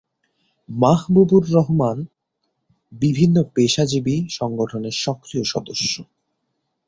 মাহবুবুর রহমান বিভিন্ন পেশাজীবী সংগঠনের সক্রিয় সদস্য।